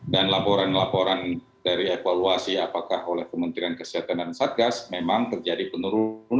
dan laporan laporan dari evaluasi apakah oleh kementerian kesehatan dan satgas memang terjadi penurunan